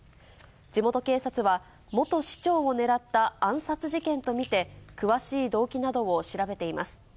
地元警察は、元市長を狙った暗殺事件と見て、詳しい動機などを調べています。